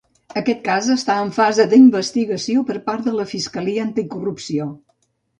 Aquest cas està en fase d'investigació per part de la Fiscalia Anticorrupció.